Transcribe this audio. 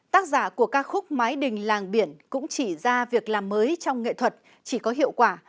tác giả của ca khúc mái đình làng biển cũng chỉ ra việc làm mới trong nghệ thuật chỉ có hiệu quả